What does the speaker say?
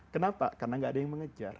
kenapa karena gak ada yang mengejar